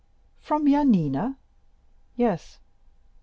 "From Yanina?" "Yes."